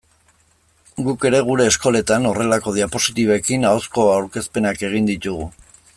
Guk ere gure eskoletan horrelako diapositibekin ahozko aurkezpenak egin ditugu.